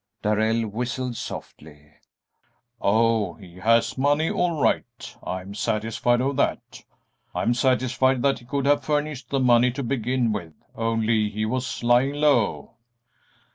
Darrell whistled softly. "Oh, he has money all right; I'm satisfied of that. I'm satisfied that he could have furnished the money to begin with, only he was lying low."